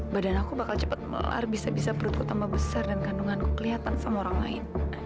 badan aku bakal cepat bisa bisa perutku tambah besar dan kandunganku kelihatan sama orang lain